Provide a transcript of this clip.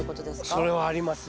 それはありますよ。